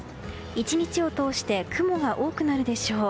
１日を通して雲が多くなるでしょう。